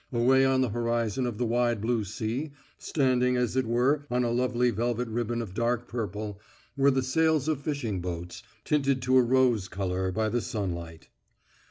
Away on the horizon of the wide blue sea, standing as it were on a lovely velvet ribbon of dark purple, were the sails of fishing boats, tinted to a rose colour by the sunlight.